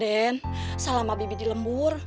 den salam abibi di lembur